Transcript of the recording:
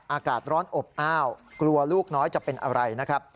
อากาศร้อนอบอ้าวกลัวลูกน้อยจะเป็นอะไรนะครับ